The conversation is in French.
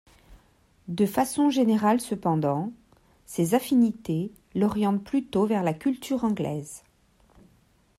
De façon générale cependant, ses affinités l’orientent plutôt vers la culture anglaise.